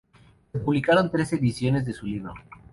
Se publicaron tres ediciones de su libro.